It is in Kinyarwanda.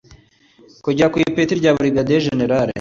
kugera ku ipeti rya Burigadiye Jenerali